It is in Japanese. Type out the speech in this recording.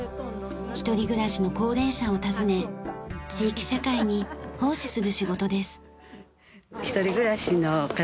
一人暮らしの高齢者を訪ね地域社会に奉仕する仕事です。